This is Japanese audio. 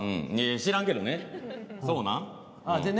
知らんけどね！